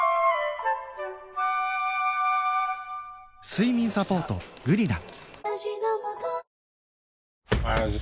睡眠サポート「グリナ」